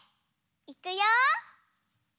いくよ！